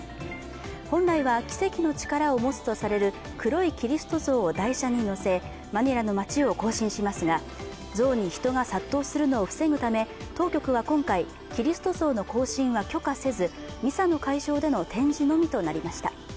本来は奇跡の力を持つとされる黒いキリスト像を台車に乗せマニラの街を行進しますが像に人が殺到するのを防ぐため当局は今回、キリスト像の行進は許可せずミサの会場での展示のみとなりました。